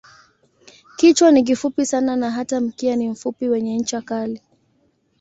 Kichwa ni kifupi sana na hata mkia ni mfupi wenye ncha kali.